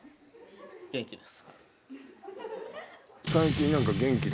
元気です。